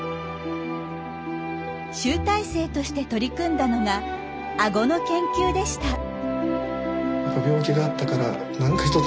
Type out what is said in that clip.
集大成として取り組んだのがあごの研究でした。